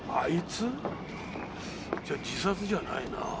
じゃあ自殺じゃないなぁ。